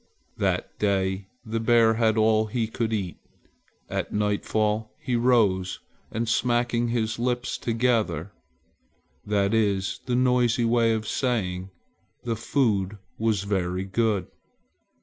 That day the bear had all he could eat. At nightfall he rose, and smacking his lips together, that is the noisy way of saying "the food was very good!"